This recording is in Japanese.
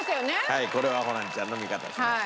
はいこれはホランちゃんの味方します。